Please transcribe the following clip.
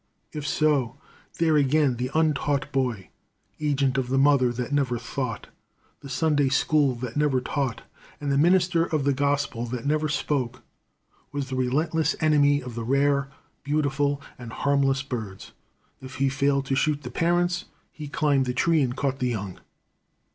If so, there again the untaught boy, agent of the mother that never thought, the Sunday school that never taught, and the minister of the Gospel that never spoke, was the relentless enemy of the rare, beautiful, and harmless birds. If he failed to shoot the parents, he climbed the tree and caught the young.